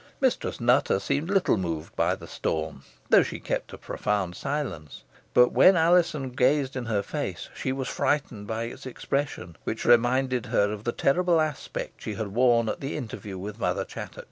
Mistress Nutter seemed little moved by the storm, though she kept a profound silence, but when Alizon gazed in her face, she was frightened by its expression, which reminded her of the terrible aspect she had worn at the interview with Mother Chattox.